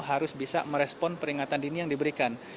harus bisa merespon peringatan dini yang diberikan